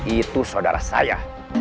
itu saudara saya